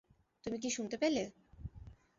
তুমি কি শুনতে পেলে?